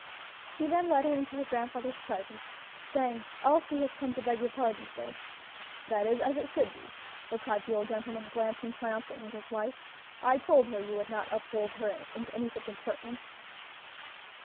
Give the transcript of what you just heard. He then led her into her grandfather's presence, saying: "Elsie has come to beg your pardon, sir." "That is as it should be," replied the old gentleman, glancing triumphantly at his wife; "I told her you would not uphold her in any such impertinence."